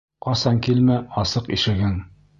Ҡасан килмә — асыҡ ишегең.